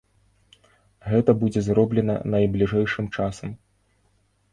Гэта будзе зроблена найбліжэйшым часам.